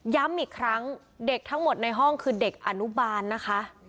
ย้ำอีกครั้งเด็กทั้งหมดในห้องคือเด็กอนุบาลนะคะ